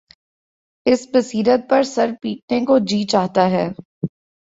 اس بصیرت پر سر پیٹنے کو جی چاہتا ہے۔